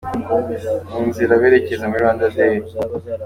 Mu nzira berekeza muri Rwanda Day .